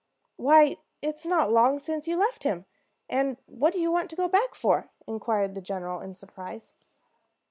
Why, it is not long since you left him; and what do you want to go back for?" inquired the general, in surprise.